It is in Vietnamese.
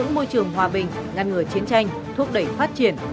môi trường hòa bình ngăn ngừa chiến tranh thúc đẩy phát triển